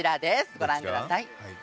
ご覧ください。